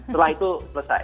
setelah itu selesai